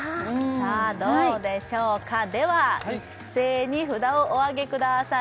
さあどうでしょうかでは一斉に札をお上げください